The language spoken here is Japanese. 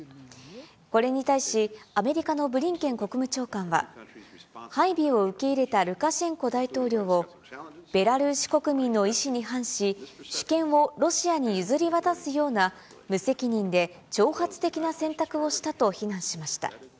これに対し、アメリカのブリンケン国務長官は、配備を受け入れたルカシェンコ大統領を、ベラルーシ国民の意思に反し、主権をロシアに譲り渡すような無責任で挑発的な選択をしたと非難しました。